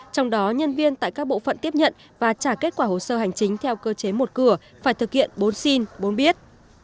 trong đó nhân viên tại các bộ phận tiếp nhận và trả kết quả hồ sơ hành chính theo cơ chế một cửa phải thực hiện bốn xin bốn biết